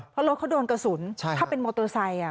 เพราะรถเขาโดนกระสุนถ้าเป็นมอเตอร์ไซค์